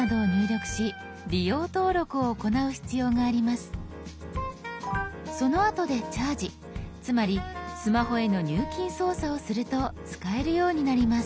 ほとんどの場合アプリを入れたあとにそのあとで「チャージ」つまりスマホへの入金操作をすると使えるようになります。